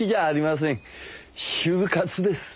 終活です。